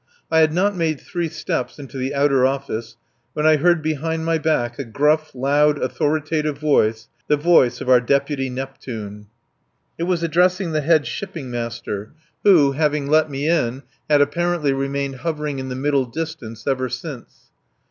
I had not made three steps into the outer office when I heard behind my back a gruff, loud, authoritative voice, the voice of our deputy Neptune. It was addressing the head Shipping Master who, having let me in, had, apparently, remained hovering in the middle distance ever since.